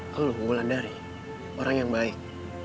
lo keunggulan dari orang yang baik